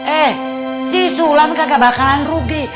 eh sisulam kagak bakalan rugi